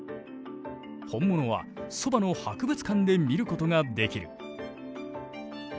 本物はそばの博物館で見ることができる。